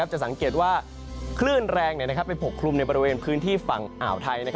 จะสังเกตว่าคลื่นแรงไปปกคลุมในบริเวณพื้นที่ฝั่งอ่าวไทย